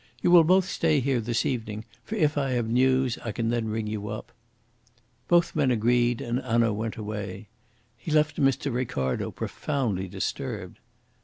"You will both stay here this evening; for if I have news, I can then ring you up." Both men agreed, and Hanaud went away. He left Mr. Ricardo profoundly disturbed.